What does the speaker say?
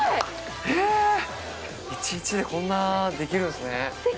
へえ、一日でこんな、できるんですね。